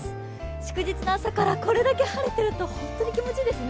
祝日の朝からこれだけ晴れてると本当に気持ちいいですね。